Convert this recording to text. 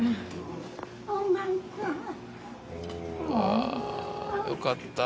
ああよかった。